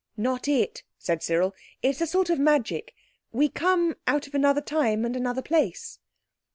"Not it," said Cyril, "it's a sort of magic. We come out of another time and another place."